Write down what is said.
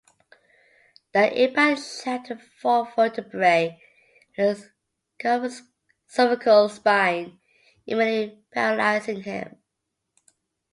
The impact shattered four vertebrae in his cervical spine, immediately paralyzing him.